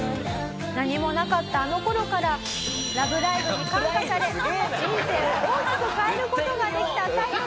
何もなかったあの頃から『ラブライブ！』に感化され人生を大きく変える事ができたタイトさん。